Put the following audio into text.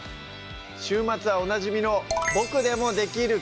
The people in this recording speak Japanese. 週末はおなじみの「ボクでもできる！